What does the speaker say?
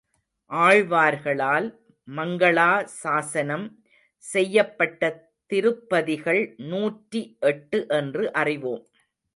ஆழ்வார்களால் மங்களா சாஸனம் செய்யப்பட்ட திருப்பதிகள் நூற்றி எட்டு என்றும் அறிவோம்.